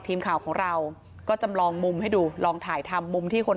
ทีมข่าวของเราก็จำลองมุมให้ดูลองถ่ายทำมุมที่คน